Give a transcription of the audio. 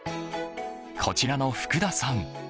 こちらの福田さん